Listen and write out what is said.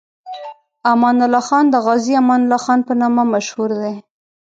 امان الله خان د غازي امان الله خان په نامه مشهور دی.